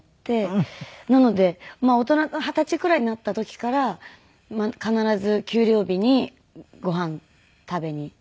なので大人二十歳くらいになった時から必ず給料日にご飯食べに。